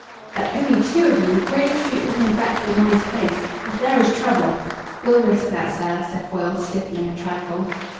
"But only two of you! Grave Street isn't exactly a nice place. If there is trouble " "We'll risk that, sir," said Foyle, stiffening a trifle.